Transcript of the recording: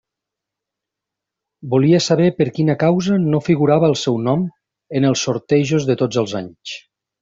Volia saber per quina causa no figurava el seu nom en els sortejos de tots els anys.